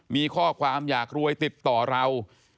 มีข้อความอยากรวยติดต่อเรา